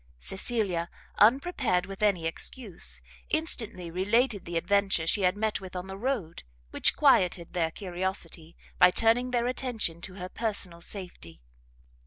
Cecilia, unprepared with any excuse, instantly related the adventure she had met with on the road, which quieted their curiosity, by turning their attention to her personal safety.